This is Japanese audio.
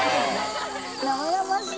生々しい。